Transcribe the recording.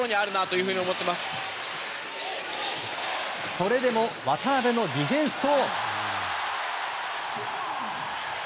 それでも渡邊のディフェンスと。